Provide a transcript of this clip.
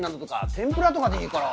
天ぷらとかでいいから。